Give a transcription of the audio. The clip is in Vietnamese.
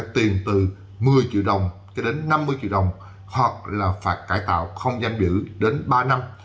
tiền từ một mươi triệu đồng cho đến năm mươi triệu đồng hoặc là phạt cải tạo không giam giữ đến ba năm